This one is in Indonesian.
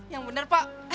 yang bener pak